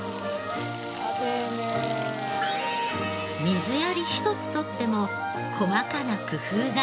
水やり一つとっても細かな工夫が。